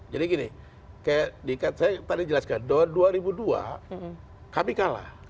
jadi gini kayak dikat saya tadi jelaskan dua ribu dua kami kalah